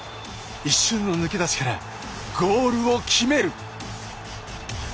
一瞬の抜け出しからゴールを決める。